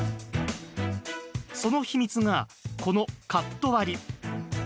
その秘密が、このカット割り。